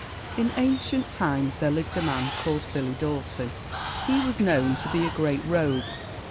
In ancient times there lived a man called Billy Dawson, and he was known to be a great rogue.